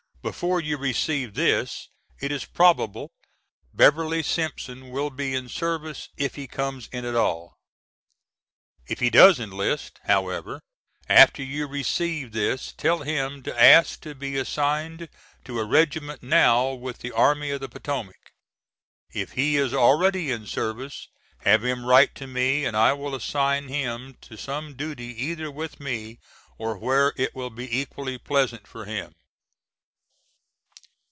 Before you receive this it is probable Beverly Simpson will be in service if he comes in at all. If he does enlist, however, after you receive this tell him to ask to be assigned to a regiment now with the Army of the Potomac. If he is already in service have him write to me and I will assign him to some duty either with me or where it will be equally pleasant for him.